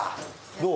どう？